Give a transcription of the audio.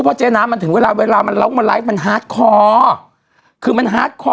เพราะเจ๊น้ำมันถึงเวลาเวลามันร้องมาไลฟ์มันฮาร์ดคอคือมันฮาร์ดคอ